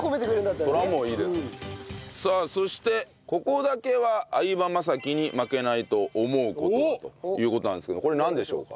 さあそしてここだけは相葉雅紀に負けないと思う事は？という事なんですけどこれなんでしょうか？